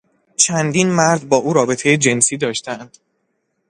چندین مرد با او رابطهی جنسی داشتهاند.